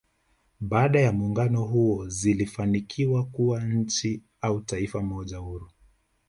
Baada ya muungano huo zilifanikiwa kuwa nchi au Taifa moja huru